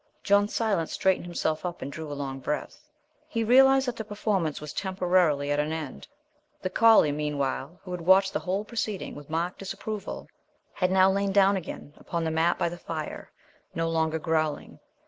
John Silence straightened himself up and drew a long breath. He realized that the performance was temporarily at an end. The collie, meanwhile, who had watched the whole proceeding with marked disapproval, had now lain down again upon the mat by the fire, no longer growling.